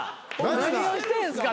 何をしてんすか？